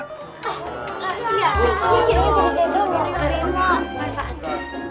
ini jadi bemo